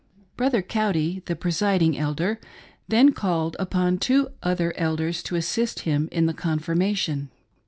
Brother Cowdy^ — the presiding eldeu — then called upon two other elders to assist him in the confirm ation.